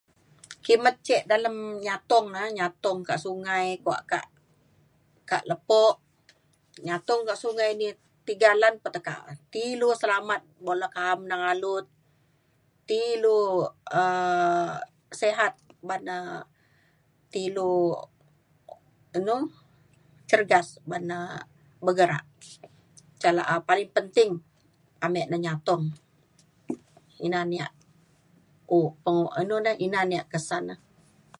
kimet ke dalem nyatong na nyatong ka sungai kuak kak kak lepo nyatong kak sungai ni tiga lan pa tekak re. ti ilu selamat bo le kaam neng alut ti ilu um sihat ban na ti lu inu cergas ban na begerak ca la’a paling penting ame ne nyatong ina na ia’ upeng inu na ina ia’ kesan na